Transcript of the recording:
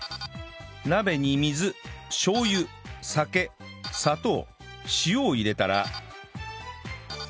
鍋に水しょう油酒砂糖塩を入れたら